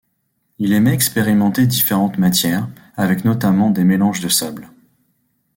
Il aimait expérimenter différentes matières, avec notamment des mélanges de sable.